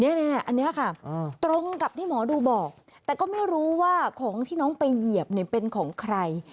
อันนี้ค่ะตรงกับที่หมอดูบอกแต่ก็ไม่รู้ว่าของที่น้องไปเหยียบเป็นของใคร